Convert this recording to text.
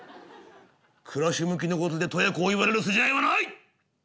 「暮らし向きの事でとやこう言われる筋合いはない！